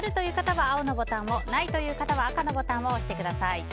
あるという方は青のボタンをないという方は赤のボタンを押してください。